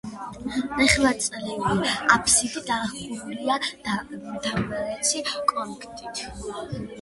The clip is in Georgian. ნახევარწრიული აფსიდი გადახურულია დამრეცი კონქით.